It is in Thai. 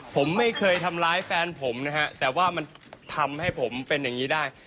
ผมไม่เคยทำร้ายแฟนผมนะฮะแต่ว่ามันทำให้ผมเป็นอย่างนี้ได้